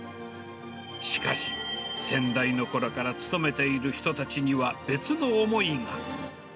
しかし、先代のころから勤めている人たちには別の思いが。